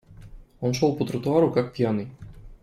Он шел по тротуару как пьяный.